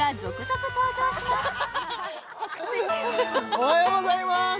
おはようございます！